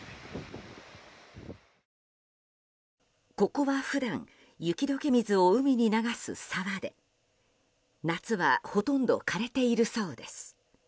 ここは普段、雪解け水を海に流す沢で夏はほとんど枯れているそうです。